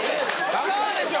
香川でしょ！